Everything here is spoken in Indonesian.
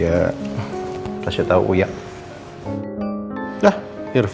apalagi kita udah suruh girls naik diri